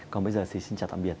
còn bây giờ thì xin chào tạm biệt